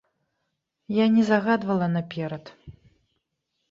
Я не загадвала наперад.